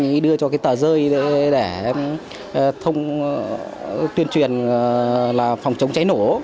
anh ấy đưa cho cái tờ rơi để tuyên truyền là phòng chống cháy nổ